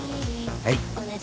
はい。